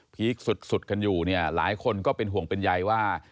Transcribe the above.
ีคสุดกันอยู่เนี่ยหลายคนก็เป็นห่วงเป็นใยว่า